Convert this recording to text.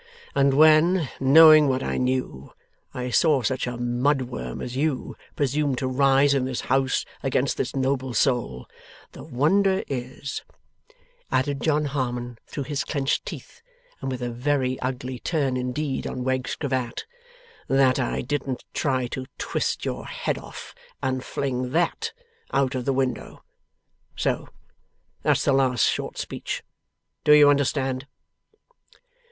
And when, knowing what I knew, I saw such a mud worm as you presume to rise in this house against this noble soul, the wonder is,' added John Harmon through his clenched teeth, and with a very ugly turn indeed on Wegg's cravat, 'that I didn't try to twist your head off, and fling THAT out of window! So. That's the last short speech, do you understand?